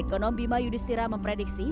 ekonomi mayudistira memprediksi